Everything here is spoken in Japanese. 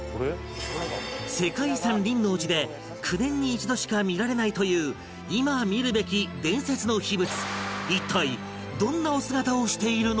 世界遺産輪王寺で９年に一度しか見られないという今見るべき伝説の秘仏